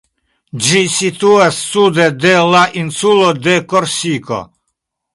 Ĝi situas sude de la insulo de Korsiko.